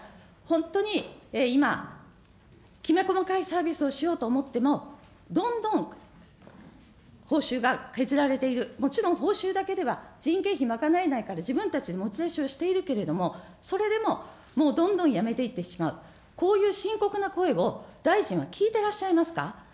本当に今、きめ細かいサービスをしようと思っても、どんどん報酬が削られている、もちろん報酬だけでは人件費賄えないから、自分たちで持ち出しをしているけれども、それでももうどんどん辞めていってしまう、こういう深刻な声を大臣は聞いてらっしゃいますか。